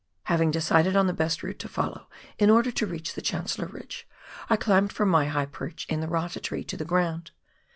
Having decided on the best route to follow in order to reach the Chancellor Ridge, I climbed from my high perch in the rata tree to the ground.